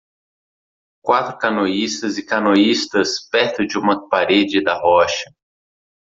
Quatro canoístas e canoístas perto de uma parede da rocha.